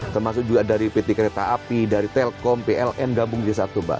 termasuk juga dari pt kereta api dari telkom pln gabung di satu mbak